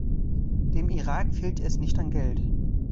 Dem Irak fehlt es nicht an Geld.